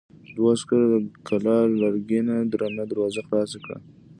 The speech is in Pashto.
دوو عسکرو د کلا لرګينه درنه دروازه خلاصه کړه.